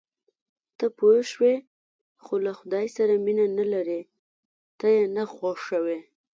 ته پوه شوې، خو له خدای سره مینه نه لرې، ته یې نه خوښوې.